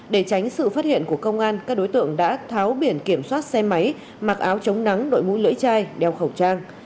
để tránh sự phát hiện của công an các đối tượng đã tháo biển kiểm soát xe máy mặc áo chống nắng đội mũ lưỡi chai đeo khẩu trang